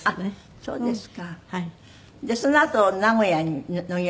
そうですか。